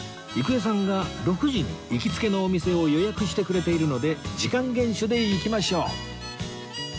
郁恵さんが６時に行きつけのお店を予約してくれているので時間厳守でいきましょう